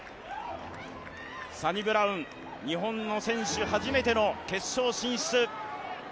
サニブラウン、日本の選手初めての決勝進出。